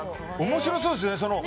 面白そうですね。